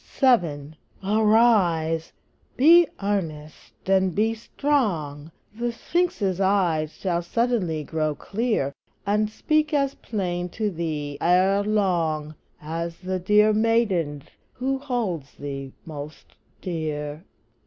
VII. Arise! be earnest and be strong! The Sphinx's eyes shall suddenly grow clear, And speak as plain to thee ere long, As the dear maiden's who holds thee most dear.